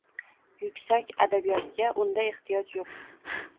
Yuksak adabiyotga unda ehtiyoj yo’q